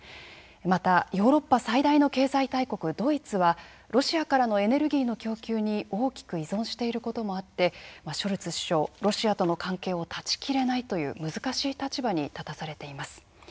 また、ヨーロッパ最大の経済大国ドイツはロシアからのエネルギーの供給に大きく依存していることもあってショルツ首相、ロシアとの関係を断ち切れないという難しい立場に立たされています。